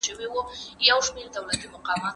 د ځان او کورنۍ خدمت د هغې له کوم شان سره مناسب نه و؟